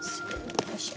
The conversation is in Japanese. よいしょ。